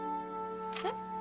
えっ？